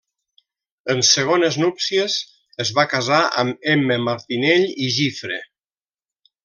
En segones núpcies es va casar amb Emma Martinell i Gifre.